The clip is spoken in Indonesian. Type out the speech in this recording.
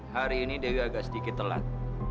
hari ini dewi agak sedikit telat